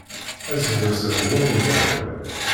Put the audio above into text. Aseggas-a d wur neḍṛi.